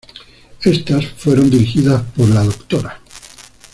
Estas fueron dirigidas por la Dra.